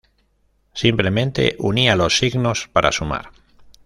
Simplemente unían los signos para sumar.